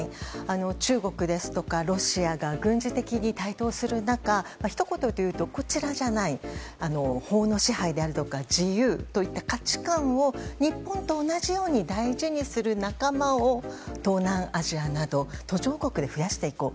中国ですとかロシアが軍事的に台頭する中一言でいうと法の支配であるとか自由といった価値観を日本と同じように大事にする仲間を東南アジアなど途上国で増やしていこう。